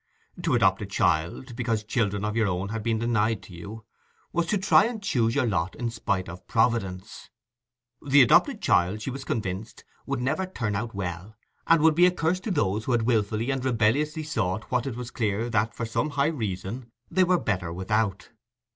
To adopt a child, because children of your own had been denied you, was to try and choose your lot in spite of Providence: the adopted child, she was convinced, would never turn out well, and would be a curse to those who had wilfully and rebelliously sought what it was clear that, for some high reason, they were better without.